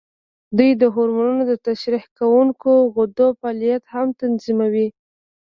دوی د هورمونونو د ترشح کوونکو غدو فعالیت هم تنظیموي.